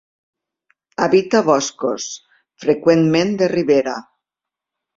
Habita boscos, freqüentment de ribera.